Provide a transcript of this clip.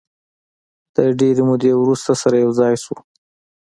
د ډېرې مودې وروسته سره یو ځای شوو.